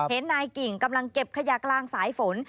เห็นนายกิ่งกำลังเก็บขยะกลางสายฝน